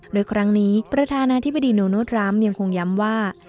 โดยครั้งนี้ประธานาธิบดีโนทรัมป์ยังคงย้ำว่า